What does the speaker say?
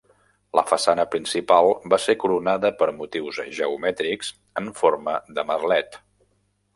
La façana principal va ser coronada per motius geomètrics en forma de merlet.